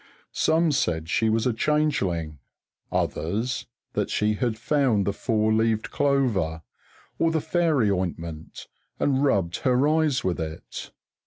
Some said she was a changeling; others that she had found the four leaved clover or the fairy ointment, and rubbed her eyes with it.